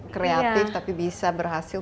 kreatif tapi bisa berhasil